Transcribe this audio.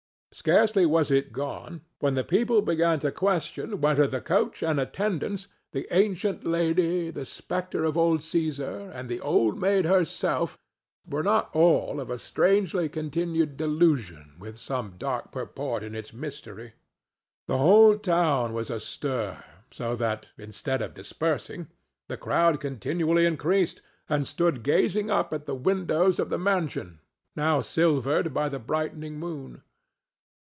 Scarcely was it gone when the people began to question whether the coach and attendants, the ancient lady, the spectre of old Cæsar and the Old Maid herself were not all a strangely combined delusion with some dark purport in its mystery. The whole town was astir, so that, instead of dispersing, the crowd continually increased, and stood gazing up at the windows of the mansion, now silvered by the brightening moon.